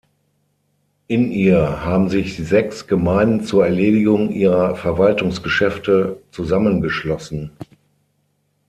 In ihr haben sich sechs Gemeinden zur Erledigung ihrer Verwaltungsgeschäfte zusammengeschlossen.